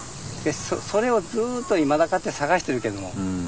それをずっといまだかつて探してるけども。